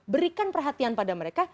berikan perhatian pada mereka